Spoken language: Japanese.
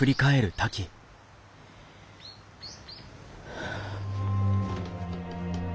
はあ。